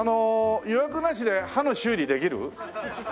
予約なしで歯の修理できる？ハハハ。